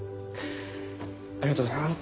ありがとうございます。